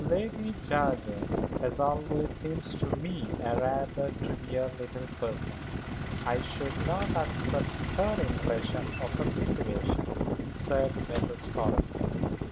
"Lady Jardine has always seemed to me a rather trivial little person. I should not accept her impression of a situation," said Mrs. Forrester.